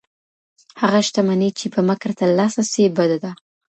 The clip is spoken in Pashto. هغه شتمني چي په مکر ترلاسه سي بده ده.